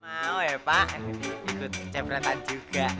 mau ya pak ikut kecebratan juga